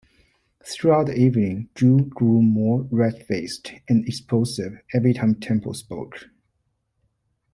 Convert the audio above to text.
Throughout the evening Drew grew more red-faced and explosive, every time Temple spoke.